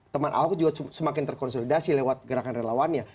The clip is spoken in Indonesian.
teman ahok juga semakin terkonsolidasi lewat gerakan relawannya